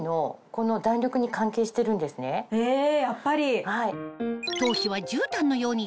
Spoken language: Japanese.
えやっぱり。